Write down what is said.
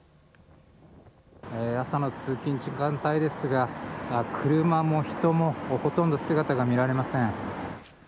朝の通勤時間帯ですが、車も人もほとんど姿が見られません。